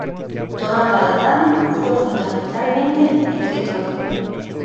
Torralba de Damas fue fundamentalmente escritor.